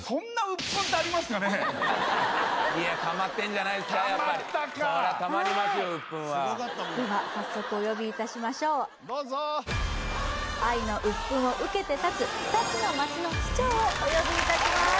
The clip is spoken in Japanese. やっぱりたまったかでは早速お呼びいたしましょうどうぞ愛のウップンを受けて立つ２つの街の市長をお呼びいたします